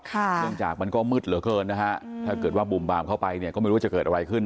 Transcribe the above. เนื่องจากมันก็มืดเหลือเกินนะฮะถ้าเกิดว่าบุ่มบามเข้าไปเนี่ยก็ไม่รู้จะเกิดอะไรขึ้น